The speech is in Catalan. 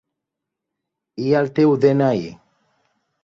I el teu de-ena-i?